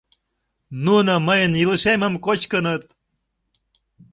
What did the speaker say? Нуно мыйын илышемым кочкыныт!..